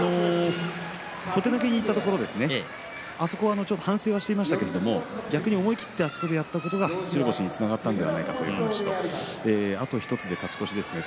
小手投げにいったところあそこは反省していましたけれど逆に思い切ってあそこでやったことが白星につながったという話とあと１つで勝ち越しですね